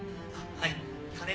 はい。